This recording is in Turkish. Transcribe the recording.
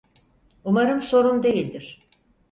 Umarım sorun değildir.